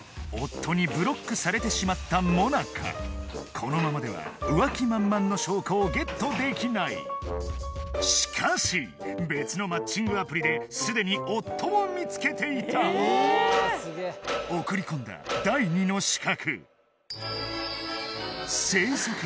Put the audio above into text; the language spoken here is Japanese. このままでは浮気満々の証拠をゲットできないしかし別のマッチングアプリですでに夫を見つけていた送り込んだ第二の刺客